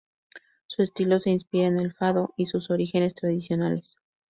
Su estilo se inspira en el fado y sus orígenes tradicionales.